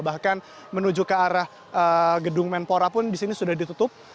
bahkan menuju ke arah gedung menpora pun di sini sudah ditutup